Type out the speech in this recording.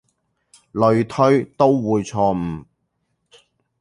類推都會錯誤